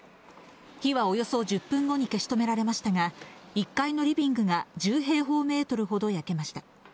火はおよそ１０分後に消し止められましたが、１階のリビングが１０平方メートルほど焼けました。